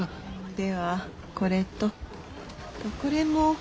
ではこれとこれも。